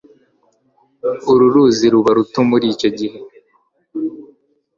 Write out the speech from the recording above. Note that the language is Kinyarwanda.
Uru ruzi ruba ruto muri icyo gihe.